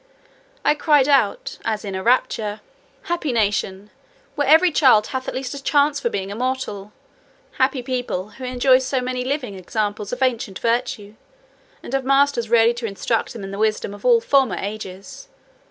I cried out, as in a rapture, "Happy nation, where every child hath at least a chance for being immortal! Happy people, who enjoy so many living examples of ancient virtue, and have masters ready to instruct them in the wisdom of all former ages!